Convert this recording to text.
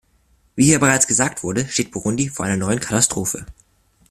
Wie hier bereits gesagt wurde, steht Burundi vor einer neuen Katastrophe.